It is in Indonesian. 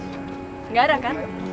gak ada kan